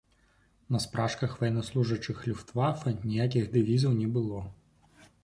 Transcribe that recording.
На спражках ваеннаслужачых люфтвафэ ніякіх дэвізаў не было.